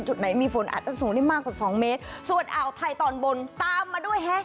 จุดไหนมีฝนอาจจะสูงได้มากกว่าสองเมตรส่วนอ่าวไทยตอนบนตามมาด้วยฮะ